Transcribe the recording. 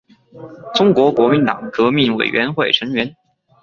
中国国民党革命委员会成员。